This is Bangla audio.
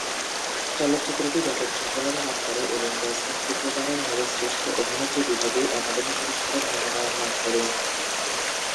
চলচ্চিত্রটি ব্যাপক সফলতা লাভ করে এবং মেসন তৃতীয়বারের মত শ্রেষ্ঠ অভিনেত্রী বিভাগে একাডেমি পুরস্কারের মনোনয়ন লাভ করেন।